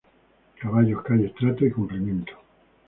Caballos, calles, trato y cumplimiento.